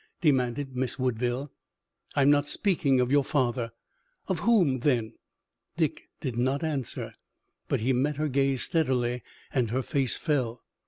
demanded Miss Woodville. "I'm not speaking of your father." "Of whom, then?" Dick did not answer, but he met her gaze steadily, and her face fell.